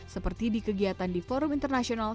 seperti di kegiatan di forum internasional